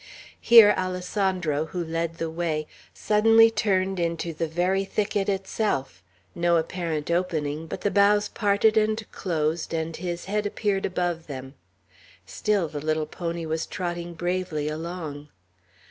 Here Alessandro, who led the way, suddenly turned into the very thicket itself; no apparent opening; but the boughs parted and closed, and his head appeared above them; still the little pony was trotting bravely along.